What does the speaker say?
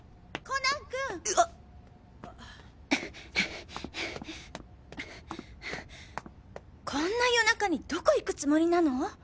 こんな夜中にどこ行くつもりなの？